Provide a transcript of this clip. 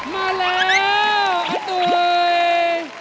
มาแล้วอาตุ๋ย